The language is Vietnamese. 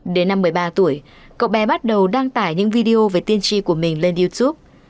đến năm một mươi ba tuổi cậu bé bắt đầu đăng tải những video về tiên tri của mình lên youtube